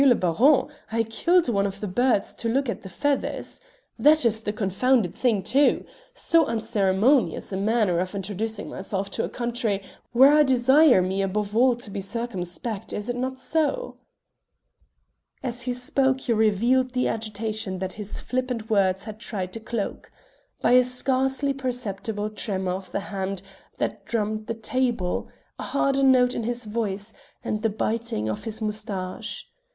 le Baron, I killed one of the birds to look at the feathers. That is the confounded thing too! So unceremonious a manner of introducing myself to a country where I desire me above all to be circumspect; is it not so?" As he spoke he revealed the agitation that his flippant words had tried to cloak by a scarcely perceptible tremour of the hand that drummed the table, a harder note in his voice, and the biting of his moustache.